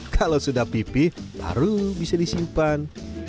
kalau sudah pipih baru bisa disimpan